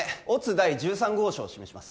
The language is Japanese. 第１３号証を示します